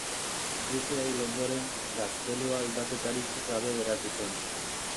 Dukea hil ondoren, gaztelua aldaketarik gabe geratu zen.